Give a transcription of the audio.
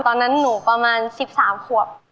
ตอนนั้นหนูประมาณ๑๓ขวบ